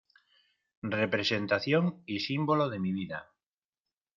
representación y símbolo de mi vida.